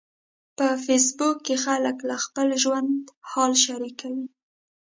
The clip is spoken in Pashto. په فېسبوک کې خلک له خپل ژوند حال شریکوي.